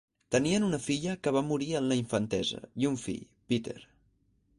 Tenien una filla que va morir en la infantesa, i un fill, Peter.